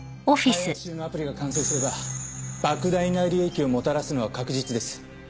開発中のアプリが完成すれば莫大な利益をもたらすのは確実です。